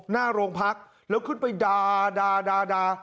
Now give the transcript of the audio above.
หน้าโรงพรรคแล้วขึ้นไปดาดาดาดา